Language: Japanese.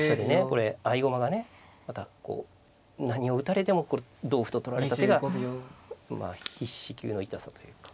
これ合駒がねまたこう何を打たれても同歩と取られた手がまあ必至級の痛さというか。